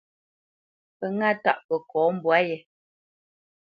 Pə́ ŋâ tâʼ kəkɔ mbwǎ yé.